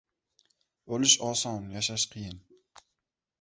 • O‘lish oson, yashash qiyin.